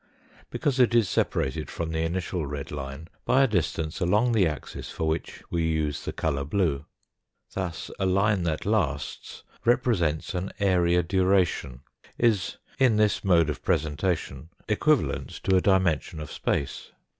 because it is separated from the initial red line by a distance along the axis for which we use the colour blue. Thus a line that lasts represents an area duration ; is in this mode of presentation equivalent to a dimension of space.